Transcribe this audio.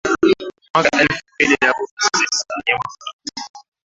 Mwaka elfu mbili na kumi Sensa ya mwaka